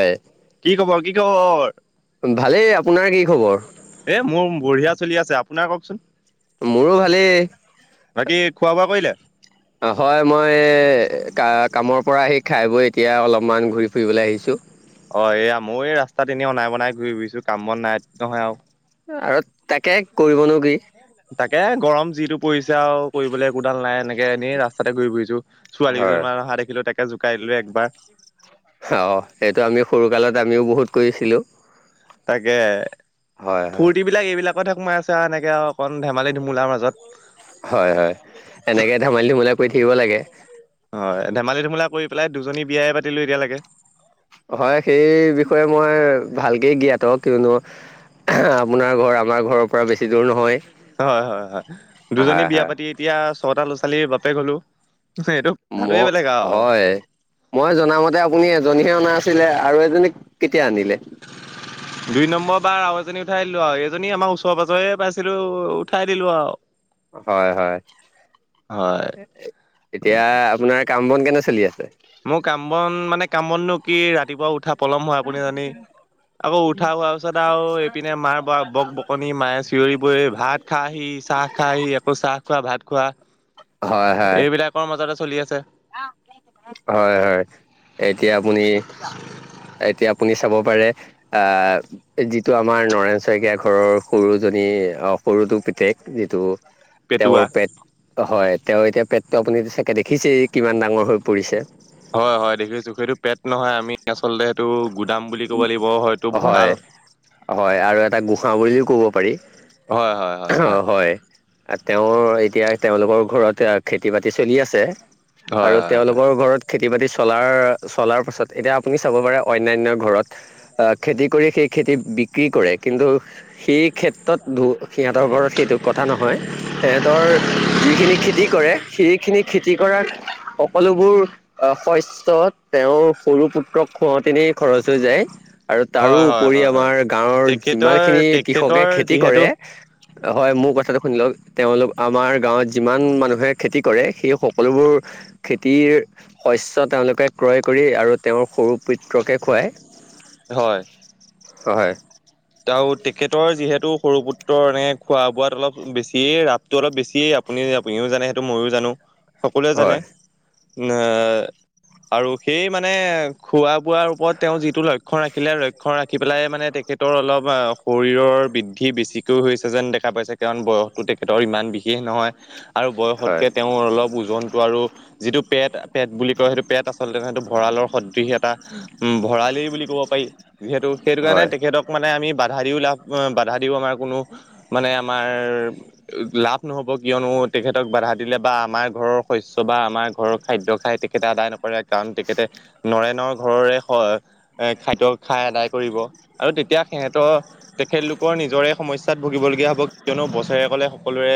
হয় কি খবৰ কি খবৰ ভালেই আপোনাৰ কি খবৰ এ মোৰ বঢ়িয়া চলি আছে আপোনাৰ কওকচোন মোৰো ভালেই বাকী খোৱা বোৱা কৰিলে অ হয় মই কা কামৰ পৰা আহি খাই বৈ এতিয়া অলপমান ঘূৰি ফুৰিবলৈ আহিছোঁ অ এয়া মোৰ এই ৰাস্তাত এনেই অনাই বনাই ঘূৰি ফুৰিছো কাম বন নাই নহয় আৰু আৰু তাকে কৰিবনো কি তাকে গৰম যিটো পৰিছে আৰু কৰিবলৈ একোডাল নাই এনেকে তাকে এনেই ৰাস্তাতে ঘুই ফুৰিছো ছোৱালী হয় কেইজনী মান অহা দেখিলো তাকে জোকাই দিলো একবাৰ অঁ এইটো আমি সৰুকালত আমিও বহুত কৰিছিলোঁ তাকে হয় হয় ফুৰ্ত বিলাক এইবিলাকতে সোমাই আছে আৰু এনেকে আৰু অকণ ধেমালি ধুমুলাৰ মাজত হয় হয় এনেকে ধেমালি ধুমুলা কৰি থাকিব লাগে হয় ধেমালি ধুমলা কৰি পেলাই দুজনী বিয়ায়ে পাতিলো এতিযালেকে হয় সেই বিষয়ে মই ভালকেই জ্ঞাত কিয়নো আপোনাৰ ঘৰ আমাৰ ঘৰৰ পৰা বেছি দূৰ নহয় হয় হয় হয় দুজনী হয় বিয়া হয় পাতি এতিয়া ছটা ল'ৰা ছোৱালীৰ বাপেক হলো সেইটো ম কথাটোৱে বেলেগ আৰু হয় মই জনামতে আপুনি এজনীহে অনা আছিলে আৰু এজনীক কেতিয়া আনিলে দুই নম্বৰ বাৰ আৰু এজনী উঠাই দিলো আৰু এজনী আমাৰ ওচৰে পাজৰে পাইছিলো উঠাই দিলো আৰু হয় হয় হয় এতিয়া আপোনাক কাম বন কেনে চলি আছে মোৰ কাম বন মানে কাম বনো কি ৰাতিপুৱা উঠা পলম হয় আপুনি জানেই আকৌ উঠা হোৱাৰ পিছত আৰু এইপিনে মাৰ ব বক বকনি মায়ে চিঞৰিব ভাত খা হি চাহ খা হি আকৌ চাহ খোৱা ভাত খোৱা হয় হয় এইবিলাকৰ মাজতে চলি আছে হয় হয় এতিয়া আপুনি এতিয়া আপুনি চাব পাৰে আ যিটো আমাৰ নয়ন শইকীয়া ঘৰৰ সৰুজনি অ সৰুজ সেটো পিতেক যিটো পেটুৱা। তেওঁৰ পেট হয় তেওঁৰ এতিয়া পেটটো আপুনি চাগে দেখিছেই কিমান ডাঙৰ হৈ পৰিছে হয় হয় দেখিছো সেইটো পেট নহয় আমি আচলতে সেইটো গুদাম বুলি ক'ব লাগিব হয়টো হয় ভঁৰাল [unintelligible] হয় আৰু এটা গোঁসা বুলিও কব পাৰি হয় হয় হয় অ হয় তেওঁৰ এতিয়া তেওঁলোকৰ ঘৰতে খেতি বাতি চলি আছে হয় আৰু হয় হয় তেওঁলোকৰ ঘৰত খেতি বাতি চলাৰ চলাৰ পাছত এতিয়া আপুনি চাব পাৰে অন্যান্য ঘৰত অ খেতি কৰি শেষ খেতিত বিক্ৰী কৰে কিন্তু সেই ক্ষেত্ৰত বু সিহঁতৰ ঘৰত সেইটো কথা নহয় সিহঁতৰ যিখিনি খেতি কৰে সেইখিনিক খেতি কৰা সকলোবোৰ শস্য তেওঁৰ সৰু পুত্ৰক খোৱাওঁতেনে খৰচ হৈ যায় আৰু হয় হয় তাৰোপৰি হয় হয় আমাৰ গাঁৱৰ তেখেতৰ যিমানখিনি কৃষকে তেখেতৰ খেতি যিহেতু কৰে হয় মোৰ কথাটো শুনি লওক তেওঁলোক আমাৰ গাঁৱত যিমান মানুহে খেতি কৰে সেই সকলোবোৰ খেতিৰ শস্য তেওঁলোকে ক্ৰয় কৰি আৰু তেওঁৰ সৰু প্ৰিত্ৰকে খুৱায় হয় হয় আৰু তেখেতৰ যিহেতু সৰু পুত্ৰৰ এনে খোৱা বোৱাত অলপ বেছিয়েই ৰাপটো অলপ বেছিয়েই আপুনি আপুনিও জানে সেইটো ময়ো জানো সকলোৱে জানে হয় নে আৰু সেই মানে খোৱা বোৱাৰ ওপৰত তেওঁ যিটো লক্ষ্য ৰাখিলে লক্ষ লক্ষ্য ৰাখি পেলাই মানে তেখেতৰ অলপ অ শৰীৰ শৰীৰৰ বৃদ্ধি বেছিকৈও হৈছে যেন দেখা পাইছে কাৰণ বয়সটো তেখেতৰ ইমান বিশেষ নহয় আৰু বয়সতকে হয় তেওঁৰ অলপ ওজনটো আৰু যিটো পেট পেট বুলি কয় সেইটো পেট আচলতে ন সেইটো ভঁৰালৰ সদৃশ এটা উ ভঁৰালেই বুলি কব পাৰি যিহেতু সেইটো কাৰণে হয় তেখেতক মানে আমি বাধা দিও লাভ বাধা দিও আমাৰ কোনো মানে আমাৰ লাভ নহব কিয়নো তেখেতক বাধা দিলে বা আমাৰ ঘৰৰ শস্য বা আমাৰ ঘৰৰ খাদ্য খাই তেখেতে আদায় নকৰে কাৰণ তেখেতে নৰেনৰ ঘৰৰে এ খাদ্য খাই আদায় কৰিব আৰু এতিয়া সিহঁতৰ তেখেতলোকৰ নিজৰে সমস্যাত ভুগিবলগীয়া হ'ব কিয়নো বছৰে কলে সকলোৰে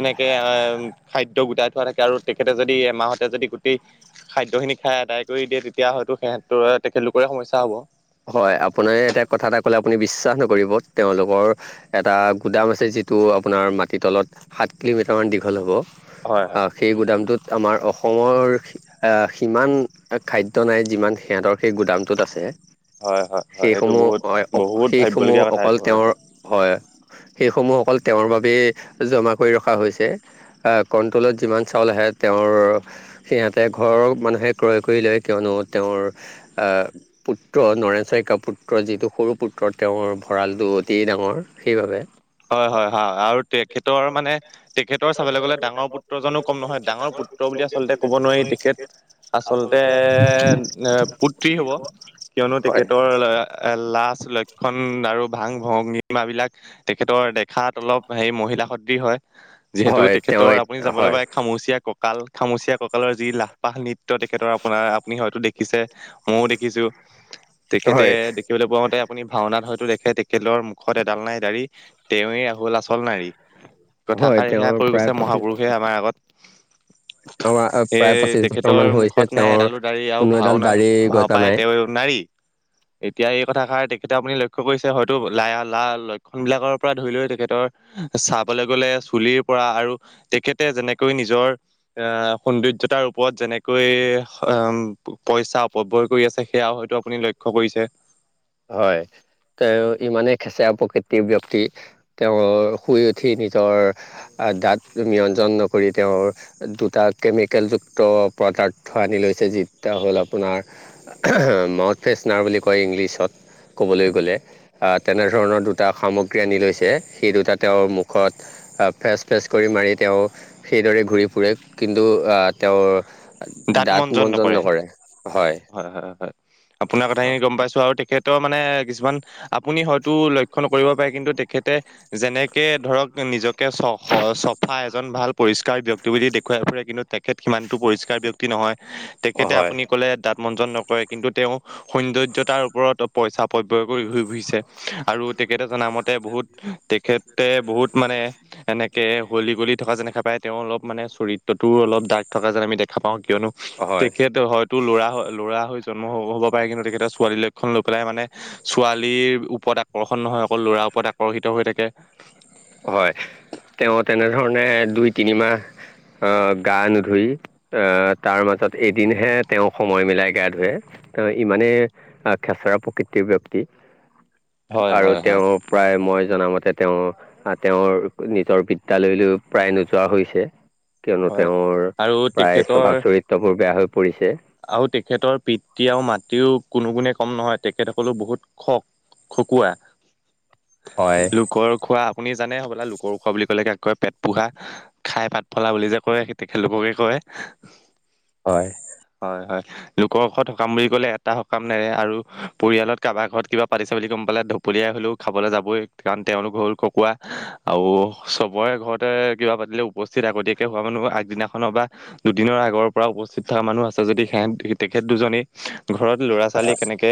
এনেকে আহ খাদ্য গোটাই থোৱা থাকে আৰু তেখেতে যদি এমাহতে যদি গোটেই খাদ্যখিনি খাই আদায় কৰি দিয়ে তেতিয়া হয়তো সিহঁতৰ তেখেতলোকৰে সমস্যা হ'ব হয় আপোনাৰ এতিয়া কথা এটা আপুনি বিশ্বাস নকৰিব তেওঁলোকৰ এটা গুাম আ যিটো আপোনাৰ মত- সাত কিলোমিটাৰমান দীঘল হ'ব হয় হয় আৰু সেই গুদামটোত আমাৰ অসমৰ সিমান খাদ্য নাই যিমান সিহঁতৰ সেই গুদামটোত আছে হয় হয় হয় সেই এইটো সমূহ বহুত অ বহুত সেই সমূহ ভাবিবলগীয়া কথা অকল এইটো হয় হয় তেওঁৰ হয় সেইসমূহক অকল তেওঁৰ বাবেই জমা কৰি ৰখা হৈছে কণ্ট্ৰলত যিমান চাউল আহে তেওঁৰ সিহঁতে ঘৰৰ মানুহে ক্ৰয় কৰি লয় কিয়নো তেওঁৰ পুত পুত্ৰ নৰেন শইকা পুত্ৰ যিটো সৰু পুত্ৰৰ তেওঁৰ ভঁৰালটো অতি ডাঙৰ সেইবাবে হয় হয় হয় আৰু তেখেতৰ মানে তেখেতৰ চাবলৈ গ'লে ডাঙৰ পুত্ৰজনো কম নহয় ডাঙৰ পুত্ৰ বুলি আচলতে ক'ব নোৱাৰি তেখেত আচলতে পুত্ৰী হ'ব কিয়নো হয়। তেখেতৰ এ লাজ লক্ষণ আৰু ভাং ভঙিমা বিলাক তেখেতৰ দেখাত অলপ হেৰি মহিলা সদৃ হয় যিহেতু হয় তেওঁ তেখেতৰ আপুনি যাবলৈ হয় পায় খামুচীয়া কঁকাল খামুচিয়া কঁকালৰ যি লাভ পাহ নৃত্য তেখেতৰ আপোনাৰ আপুনি হয়তো দেখিছে ময়ও দেখিছো তেখেতে হয় দেখিবলৈ পোৱা মতে আপুনি ভাওনাত হয়তো দেখে তেখেতেলৰ মুখত এডাল নাই দালি তেৱে আচ চল নাৰী হয় কথাষাৰি সেয়া তেওঁৰ কৰি প্ৰায় গৈছে পঁচিছ বছৰ মহাপুৰুষে আমাৰ আগত প্ৰায় সেই পঁচিছ তেখেতৰ বছৰমান হৈছে মুখত নাই তেওঁৰ এডালো দাৰি আৰু কোনো এডাল ভাওনাত দাৰি ভাও গজা পায় নাই তেওঁ নাৰী এতিয়া এই কথাষাৰ তেখেতে আপুনি লক্ষ্য কৰিছে হয়তো লাই লা লক্ষ্য বিলাকৰ পৰা ধৰি লৈ তেখেতৰ চাবলৈ গলে চুলিৰ পৰা আৰু তেখেতে যেনেকৈ নিজৰ সৌন্দৰ্যতাৰ ওপৰত যেনেকৈ পইচা অপবয় কৰি আ সেয়াও হয়তো আপুনি লক্ষ্য কৰিছে হয় তেওঁ ইমানেই খেচেৰা প্ৰকৃতিৰ ব্য্য়ক্তি তেওঁ শুই উঠি নিজৰ দাঁত ব্যঞ্জন নকৰি তেওঁৰ দুটা কেমিকেলযুক্ত প্ৰডাক্ট আনি লৈছে যিটা হ'ল আপোনাৰ মাউথ ফ্ৰেছনাৰ বুলি কয় ইংলিছত ক'বলৈ গ'লে তেনেধৰণৰ দুটা সামগ্ৰী আনি লৈছে সেই দুটা তেওঁৰ মুখত ফেচ ফেচ কৰি মাৰি তেওঁ সেইদৰে ঘূৰি ফুৰে কিন্তু তেওঁ দাঁত মনজন নকৰে হয় হয় হয় আপোনাৰ অ, কথাখিনি গম পাইছো আৰু তেখেত মানে কিছুমান আপুনি হয়তো লক্ষ্য নকৰি পাৰে কিন্তু তেখেতে যেনেকে ধৰক নিজক চফা এজন ভাল পৰিষ্কাৰ ব্যক্তি বুলি দেখুৱাই ফুৰে কিন্তু তেখেত কিমানতটো পৰিষ্কাৰ ব্যয়ক্তি নহয় তেখেতে হয় আপুনি ক'লে মনজন নকৰে কিন্তু তেওঁ সৌন্দৰ্যতাৰ ওপৰত পইচা প্ৰব্য় কৰি ঘুৰি ফুৰিছে আৰু তেখেততে জনামতে বহুত তেখেত বহুত মানে এনেকে হলী গলি থকা যেনেকা পায় তেওঁ অলপ মানে চৰিত্ৰতও অলপ ডাৰ্ক থকা যেন আমি দেখা পাওঁ কিয়নো হয় তেখেত হয়তো লৰা লৰা জন্ম হ হ'ব পাৰে কিন্তু তেখেততে ছোৱালীৰ লক্ষণ লৈ পেলাই মানে ছোৱালীৰ ওপৰত আকৰ্ষণ নহয় অকল ল'ৰা ওপৰত আকৰ্ষিত হৈ থাকে হয় তেওঁ তেনেধৰণে দুই তিনিমাহ গা নুধুই আহ তাৰ মাজত এদিনহে তেওঁ সময় মিলাই গা ধুৱে ইমানে আহ খেচৰা প্ৰকৃতিৰ ব্যক্তি উ আৰু তেওঁ প্ৰায় মই জনামতে তেওঁ তেওঁৰ নিজৰ বিদ্যালয়লৈ প্ৰায় নোযোৱা হৈছে কিয়নো হয় তেওঁৰ আৰু প্ৰায় তেখেতৰ স্বভাৱ চৰিত্ৰবোৰ বেয়া হৈ পৰিছে আৰু তেখেতৰ পিতৃ আৰু মাতৃও কোনো গুণে কম নহয় তেখেতসকললেও বহুত খ খকুৱা। হয় লোকৰ খোৱা আপুনি জানে হ'বলা লোকৰ ওখ বুলি ক'লে ক কয় পেট পোহা খাই পাত ফলা বুলি যে কয় তেখেতলোককে কয়। উম, হয়। হয় - হয় লোকৰ ঘৰত সকাম বুলি ক'লে এটা সকাম নেৰে আৰু পৰিয়ালত কাৰোবাৰ ঘৰত কিবা পাতিছে। গম পালে পলিয়াই হ'লো খাবলৈ যাবই কাৰণ তেওলোকল ককোৱা আৰু চবৰে ঘ তে কিবা পাতিলে উপসস্থিত আগতীয়াকে হোৱা মানুহ আগদিনাখনৰ বা দুদিনৰ আগৰ পৰা উপস্থিত থকা মানুহ আছে। যদি সিহ তেখেত দুজনী ঘৰত ল'ৰা ছোৱালী কেনেকে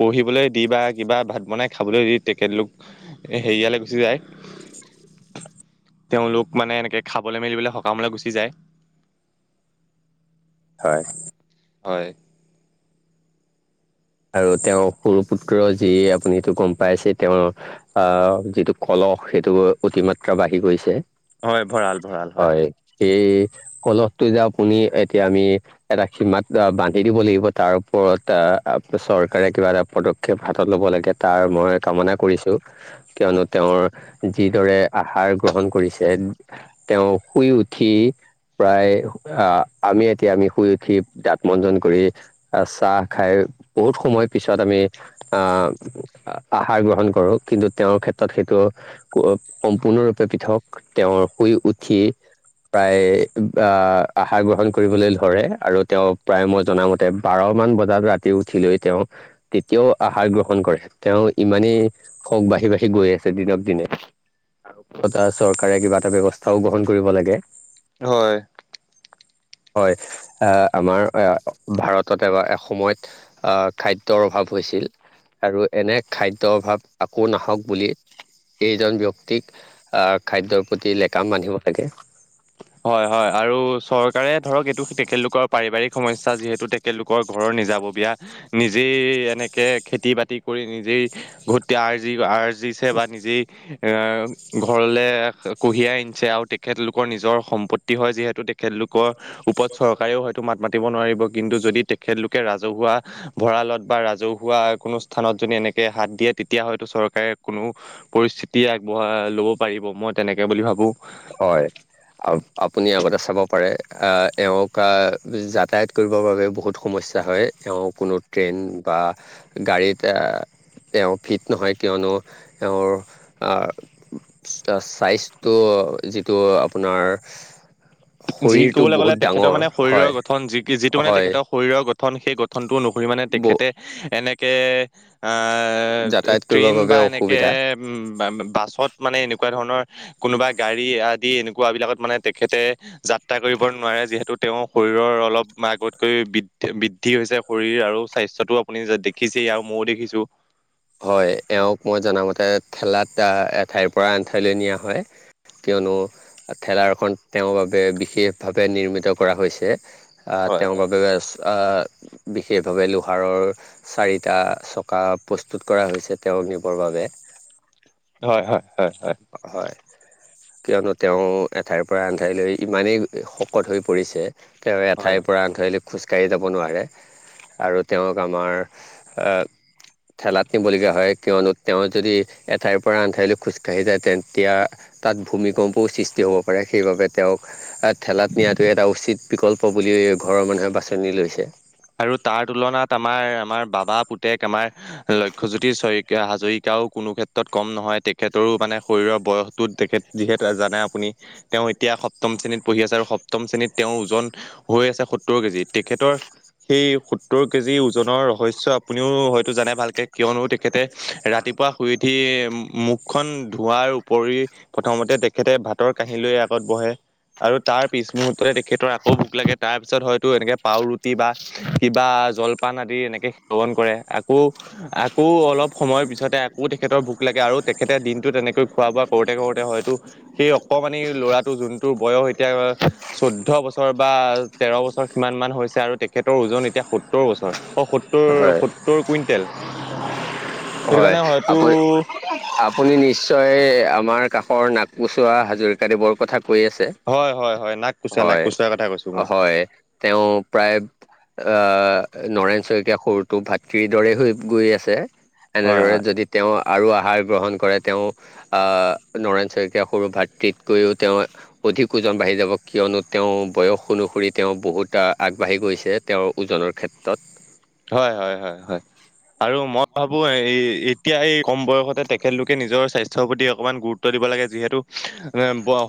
পঢ়িবলৈ দি বা কিবা ভাত বনাই খাবলৈ দি তেখেতলোক হেৰিয়ালৈ গুচি যায়। [inaudible] তেওলোক মানে এনেকে খাবলৈ মেলিবলৈ সকামলৈ গুচি যায়। হয়। হয়। আৰু তেওৰ সৰু পুত্ৰ যি আপুনি সটো গম পাইছে তেওৰ আহ যিটো কলম অস সেইটো অতিমাত্ৰা বাঢ়ি গৈছে। হয় ভৰাল - ভৰাল হয়। সেই কলহটো যা পুনি এতিয়া আমি এটা সীমাত বান্ধি দিব লাগিব তাৰপৰত কলতা চৰকাৰে কিবা এটা পদক্ষেপ হাতত ল'ব লাগে তাৰ মই কামনা কৰিছো কিয়নো তেও যিদৰে আহাৰ গ্ৰহণ কৰিছে তেও শুই উঠি প্ৰায় আহ, আমি এতিয়া আমি শুই উঠি দাত মঞ্জন কৰি আহ চাহ খাই বহুত সময় পিছত আমি আহ আহাৰ গ্ৰহণ কৰো কিন্তু তেওৰ ক্ষেত্ৰত সেইটো সম্পূৰ্ণৰূপে পৃথক তেওৰ শুই উঠি প্ৰায় আহ, আহাৰ গ্ৰহণ কৰিবলৈ ধৰে আৰু তেও প্ৰায় মই জন মতে বাৰ মান বাৰ ৰাখ উঠি লৈ তেও তেতিয়াও আহাৰ গ্ৰহণ কৰে তেও ইমানেই হওক বাঢ়ি- বাঢ়ি গৈ দিনক দিনে আৰু চৰকাৰে কিবা এটা ব্যৱস্থাও গ্ৰহণ কৰিব লাগে। হয়। হয় আহ, আমাৰ ভাৰততে বা এসময়ত আহ, খাদ্যৰ অভাৱ হৈছিল। আৰু এনে খাদ্যৰ অভাৱ আকৌ নাহক বুলি এইজন ব্যক্তিক আহ খাদ্যৰ প্ৰতি লেকাম বান্ধিব লাগে। হয় - হয় আৰু চৰকাৰে ধৰক এইটো তেখেতলোকৰ পাৰিবাৰিক সমস্যা যিহেতু তেখেতলোকৰ ঘৰৰ নিজাব বিয়া নিজেই এনেকে খেতি বাতি কৰি নিজেই ঘ আৰ্জি আ বা নিজেই এ ঘৰলে কঢ়িয়াই আনিছে আৰু তেখেতলোকৰ নিজৰ সম্পত্তি হয় যিহেতু তেখেতলোকৰ ওপৰত চৰকাৰেও হয়তো মাত মাতিব নোৱাৰি। কিন্তু যদি তেখেতলোকে ৰাজহুৱা ভৰালত বা ৰাজহুৱা কোনো স্থানত যদি এনেকে হাত দিয়ে তেতিয়া হয়তো চৰকাৰে কোনো পৰিস্থিতি আগবঢ়াই ল'ব পাৰিব মই তেনেকৈ বুলি ভাবো। হয়। আপুনি আগতে চাব পাৰে আহ এওক আহ যাতায়াত কৰিবৰ বাবে বহুত সমস্যা ইচ্ছা হয় এ কোনো ট্ৰেইন বা গাড়ীত তেও ফিট নহয় কিয়নো তেওৰ চাইজটো যিটো আপোনাৰ যি শৰীৰটো ক'বলৈ গ'লে বহুত তেখেতৰ ডাঙৰ মানে শৰীৰৰ হয় গঠন যি যিটো মানে হয় তেখেতৰ শৰীৰৰ গঠন সেই গঠনটোও ন শৰী মানে ব তেখেতে এনেকে আহ, যাতায়াত কৰিবৰ ট্ৰেইন বাবে বা এনেকে অসুবিধা উম, ব বাছত মানে এনেকুৱা ধৰণৰ কোনোবা গাড়ী আদি এনেকুৱা বিলাকত মানে তেখেতে যাত্ৰা কৰিব নোৱাৰে যিহেতু তেও শৰীৰৰ অলপ আগতকৈ বৃদ্ধি - বৃদ্ধি হৈছে শৰীৰ আৰু স্বাস্থ্যটো আপুনি দেখিছেই আৰু মইও দেখিছো। হয় এওঁক মই জনামতে ঠেলাত এঠাইৰ পৰা আন ঠাইলৈ নিয়া হয় কিয়নো ঠেলাৰখন তেওঁৰ বাবে বিশেষভাৱে নিৰ্মিত কৰা হৈছে অ হয় তেওঁক হয় বিশেষভাৱে লোহাৰৰ চাৰিটা চকা প্ৰস্তুত প্ৰস্তুত কৰা হৈছে তেওঁক নিবৰ বাবে হয় হয় হয় হয় কিয়নো তেওঁ এঠাইৰ পৰা আনঠাইলৈ ইমানেই শকত হৈ পৰিছে তেওঁ হয় এঠাইৰ পৰা আঠৰিলি খোজ কাঁহী যাব নোৱাৰে আৰু তেওঁক আমাৰ ঠেলাত নিব লগীয়া হয় কিয়নো তেওঁ যদি এঠাইৰ পৰা আনঠাইলৈ খোজ কাঢ়ি কাঢ়ি যায় তেতিয়া তাত ভূমিকম্পও সৃষ্টি হ'ব পাৰে সেইবাবে তেওঁক ঠেলাত নিয়াটো এটা উচিত বিকল্প বুলি এই ঘৰৰ মানুহে বাছনি লৈছে আৰু তাৰ তুলনাত আমাৰ আমাৰ বাবা পুতেক আমাৰ লক্ষ্যজ্যোতি চয় হাজৰিকাও কোনো ক্ষেত্ৰত কম নহয় তেখেতৰো মানে শৰীৰৰ বয়সটো তেখেত যিহেত জানে আপুনি তেওঁ এতিয়া সপ্তম শ্ৰেণীত পঢ়ি আছে আৰু সপ্তম শ্ৰেণীত তেওঁৰ ওজন হৈ আছে সত্তৰ কেজি তেখেতৰ সেই সত্তৰ কেজি ওজনৰ ৰহস্য আপুনিও হয়তো জানে ভালকে কিয়নো তেখেতে ৰাতি শুই উঠি মুখখন ধৱোৱাৰ উপৰি প্ৰথমতে তেখেতে ভাতৰ কাহী লৈ বহে আৰু তাৰ পিছ মুহৰ্ততে তেখেতৰ আকৌ ভোক লাগে তাৰ পিছত হয়তো এনেকে পাওৰুটি বা কিবা জলপান আদি এনেকে সেৱন কৰে আকৌ আকৌ অলপ সময়ৰ পিছতে আকৌ তেখেতৰ ভোক লাগে আৰু তেখেতে দিনটো তেনেকৈ খোৱা বোৱা কৰোতে তে কৰোতে হয়তো সেই অকমানি ল'ৰাটো যোনটো বয়স এতিয়া চৈধ্য বছৰ বা তেৰ বছৰ সিমানান হৈছে আৰু তেখেতৰ ওজন এতিয়া সত্তৰ বছৰ অঁ সত্তৰ হয় সত্তৰ কুইণ্টেল সেইটো হয় কাৰণে হয়তো আপুনি নিশ্চয় আমাৰ কাষৰ নাক পোচোৱা হাজৰিকা দেৱৰ কথা পৰি আছে হয় হয় হয় নাক কোচোৱা নাক হয় কোচোৱাৰ কথা কৈছো মই হয় তেওঁ প্ৰায় অ নৰেন শইকীয়া সুৰটো ভাতৃৰ দৰে হৈ গৈ আছে হয় এনেদৰে হয় যদি তেওঁ আৰু আহাৰ গ্ৰহণ কৰে তেওঁ নৰেন শইকীয়া সৰু ভাতৃৃতকৈও তেওঁ অধিক ওজন বাঢ়ি যাব কিয়নো তেওঁ বয়স অনুসৰি তেওঁ বহুতটা আগবাঢ়ি গৈছে তেওঁৰ ওজনত ক্ষেত্ৰত হয় হয় হয় হয় আৰু মই ভাবো এতিয়া এই কম বয়সতে তেখেতলোকে নিজৰ স্বাস্থ্যৰ প্ৰতি অকমান গুৰুত্ব দিব লাগে যিহেতু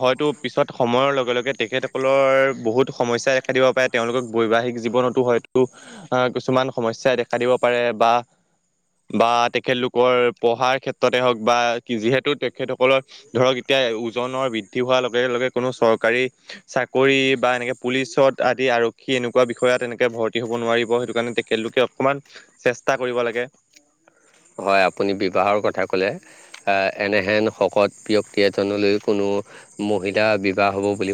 হয়তো পিছত সময়ৰ লগে লগে তেখেতসকলৰ বহুত সমস্যা দেখা দিব পাৰে তে তেওঁলোকক বৈবাহিক জীৱনতো হয়তো আহ কিছুমান সমস্যাই দেখা দিব পাৰে বা বা তেখেতলোকৰ পঢ়াৰ ক্ষেত্ৰতে হওক বা যিহেতু তেখেতসকলৰ ধৰক এতিয়া ওজনৰ বৃদ্ধি হোৱাৰ লগে লগে কোনো চৰকাৰী চাকৰি বা এনেকে পুলিচত আদি আৰক্ষী এনেকুৱা বিষয়ত এনেকে ভৰ্তি হবোৱাৰিব সেইটো কাৰণে তেখেতলোকে অকমান চেষ্টা কৰিব লাগে হয় আপুনি বিবাহৰ কথা ক'লে এনেহেন শকত ব্যক্তি এজনলৈ কোনো মহিলা বিবাহ হব বুলি